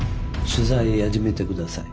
取材始めてください。